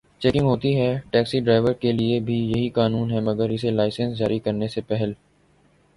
Checking ہوتی ہے۔ Taxi driver کے لیے بھی یہی قانون ہے مگر اسے لائسنس جاری کرنے سے پہل